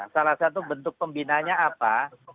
salah satu bentuk pembinanya apa